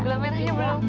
gelap merahnya bro